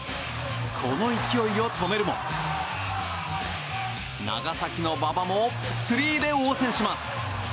この勢いを止めるも、長崎の馬場もスリーで応戦します！